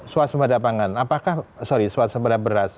suasana pada pangan sorry suasana pada beras